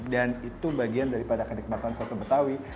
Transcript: dan itu bagian daripada kenikmatan soto betawi